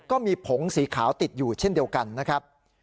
ก็มีผงสีขาวติดอยู่เช่นเดียวกันนะครับ